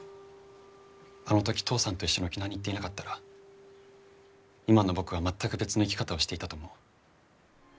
あの時父さんと一緒に沖縄に行っていなかったら今の僕は全く別の生き方をしていたと思う。